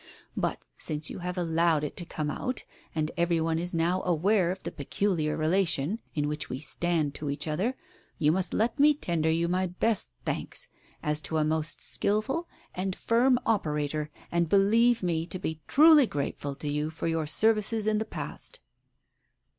But since you have allowed it to come out, and every one is now aware of the peculiar relation in which we stand to each other, you must let me tender you my best thanks, as to a most skilful and firm operator, and believe me to be truly grateful to you for your services in the past."